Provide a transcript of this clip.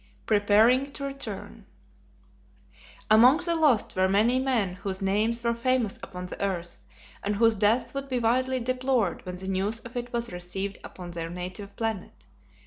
Preparing to Return. Among the lost were many men whose names were famous upon the earth, and whose death would be widely deplored when the news of it was received upon their native planet.